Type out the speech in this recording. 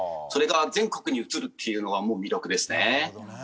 それが全国に映るっていうのがもう魅力ですね。